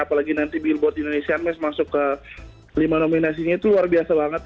apalagi nanti billboard indonesian mas masuk ke lima nominasinya itu luar biasa banget